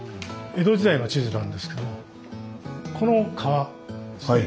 江戸時代の地図なんですけどもこの川ですね。